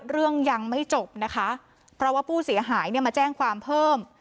เรื่องยังไม่จบนะคะเพราะว่าผู้เสียหายเนี่ยมาแจ้งความเพิ่ม